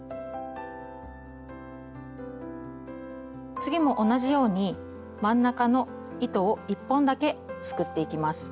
次も同じように真ん中の糸を１本だけすくっていきます。